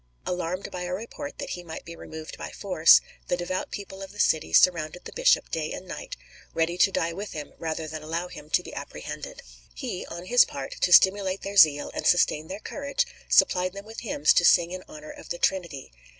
Alarmed by a report that he might be removed by force, the devout people of the city surrounded the bishop day and night, ready to die with him rather than allow him to be apprehended. He, on his part, to stimulate their zeal and sustain their courage, supplied them with hymns to sing in honour of the Trinity.